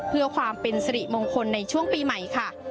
เพื่อความเป็นสิริมงคลในช่วงปีใหม่ค่ะ